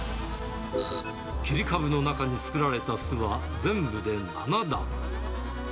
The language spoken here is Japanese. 切り株の中に作られた巣は全部で７段。